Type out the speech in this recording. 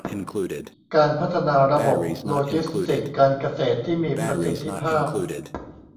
การพัฒนาระบบโลจิสติกส์การเกษตรที่มีประสิทธิภาพ